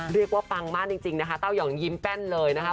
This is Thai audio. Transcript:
ปังมากจริงนะคะเต้ายองยิ้มแป้นเลยนะคะ